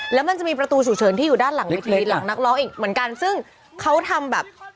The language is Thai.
แล้วมันจะมีประตูฉุกเฉินที่อยู่ด้านหลังเวทีหลังนักร้องอีกเหมือนกันซึ่งเขาทำแบบ